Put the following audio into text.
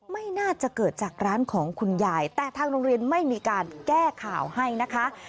ไม่น่าจะเกิดจากร้านของคุณยายแต่ทางโรงเรียนไม่มีการแก้ข่าวให้นะคะ